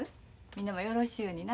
みんなもよろしゅうにな。